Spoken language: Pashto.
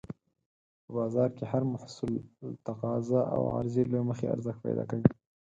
په بازار کې هر محصول د تقاضا او عرضې له مخې ارزښت پیدا کوي.